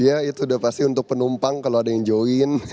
iya itu udah pasti untuk penumpang kalau ada yang join